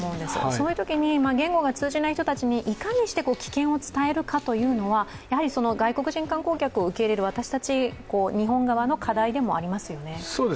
そういうときに言語が通じない人にいかに危険を伝えるかというのはやはり外国人観光客を受け入れる私たち日本人側の課題でもありますよね。